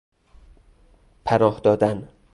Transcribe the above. پناه دادن